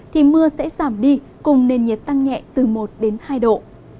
thì mưa sẽ giảm đi cùng nền nhiệt tăng nhẹ từ một đến hai độ